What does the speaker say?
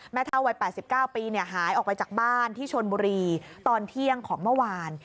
เท่าวัย๘๙ปีหายออกไปจากบ้านที่ชนบุรีตอนเที่ยงของเมื่อวาน